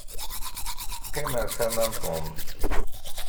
Qqim ar tama n Tom.